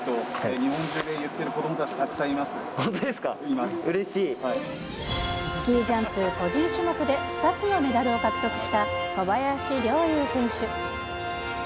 スキージャンプ個人種目で２つのメダルを獲得した小林陵侑選手。